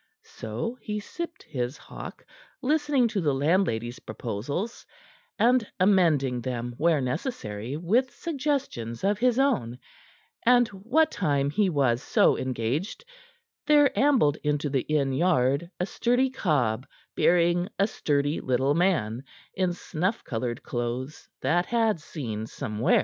So he sipped his Hock, listening to the landlady's proposals, and amending them where necessary with suggestions of his own, and what time he was so engaged, there ambled into the inn yard a sturdy cob bearing a sturdy little man in snuff colored clothes that had seen some wear.